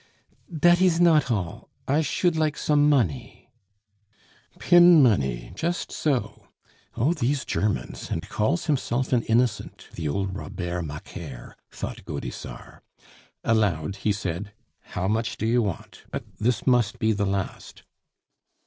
"Dat ees not all! I should like som monny." "Pin money! Just so. Oh, these Germans! And calls himself an innocent, the old Robert Macaire!" thought Gaudissart. Aloud he said, "How much do you want? But this must be the last."